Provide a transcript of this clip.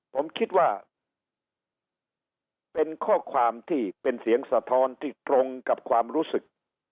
ผมคิดว่าเป็นข้อความที่เป็นเสียงสะท้อนที่ตรงกับความรู้สึก